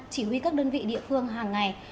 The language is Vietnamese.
chỉ huy các đơn vị địa phương hàng ngày